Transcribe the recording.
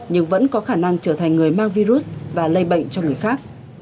nhưng vẫn có khả năng trở thành người mang virus và lây bệnh cho người khác